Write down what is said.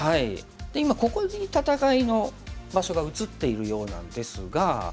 で今ここに戦いの場所が移っているようなんですが。